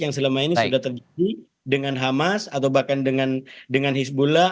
yang selama ini sudah terjadi dengan hamas atau bahkan dengan hizbullah